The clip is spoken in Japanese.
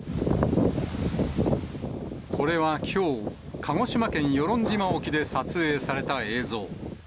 これはきょう、鹿児島県与論島沖で撮影された映像。